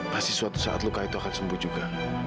pasti suatu saat luka itu akan sembuh juga